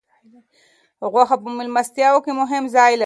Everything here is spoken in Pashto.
غوښه په میلمستیاوو کې مهم ځای لري.